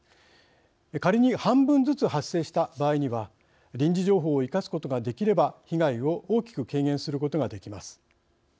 仮に半分ずつ発生した場合には臨時情報を生かすことができれば被害を大きく軽減することができます。